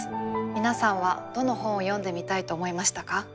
皆さんはどの本を読んでみたいと思いましたか？